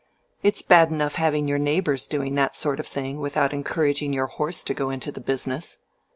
It's bad enough having your neighbors doing that sort of thing without encouraging your horse to go into the business.